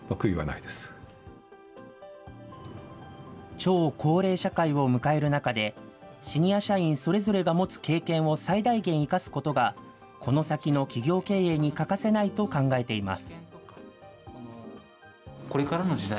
超高齢社会を迎える中で、シニア社員それぞれが持つ経験を最大限生かすことが、この先の企業経営に欠かせないと考えています。